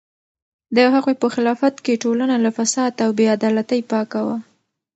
د هغوی په خلافت کې ټولنه له فساد او بې عدالتۍ پاکه وه.